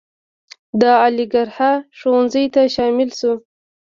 د علیګړهه ښوونځي ته شامل شو.